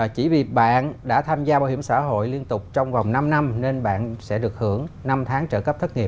chỉ vì bạn đã tham gia bảo hiểm xã hội liên tục trong vòng năm năm nên bạn sẽ được hưởng năm tháng trợ cấp thất nghiệp